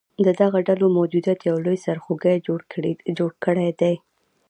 د دغه ډلو موجودیت یو لوی سرخوږې جوړ کړیدی